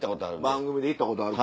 番組で行ったことあると思う。